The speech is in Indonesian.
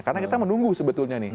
karena kita menunggu sebetulnya nih